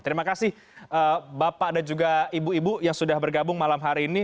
terima kasih bapak dan juga ibu ibu yang sudah bergabung malam hari ini